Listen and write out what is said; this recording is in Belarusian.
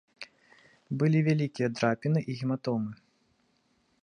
Былі вялікія драпіны і гематомы.